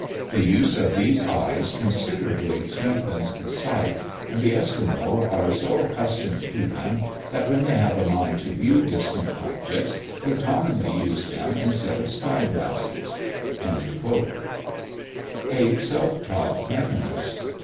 The use of these eyes considerably strengthens the sight, and the Esquimaux are so accustomed to them, that when they have a mind to view distant objects, they commonly use them instead of spy glasses." A SELF TAUGHT MECHANIST.